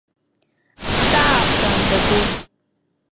Дҵаахуан даду.